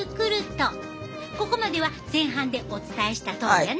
ここまでは前半でお伝えしたとおりやな。